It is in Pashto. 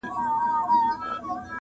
ګوندي وي په یوه کونج کي وکړي دمه.